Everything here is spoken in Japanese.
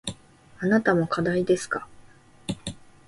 あなたも課題ですか。